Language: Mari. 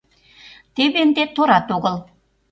Теве ынде торат огыл.